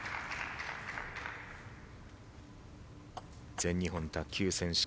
全日本卓球選手権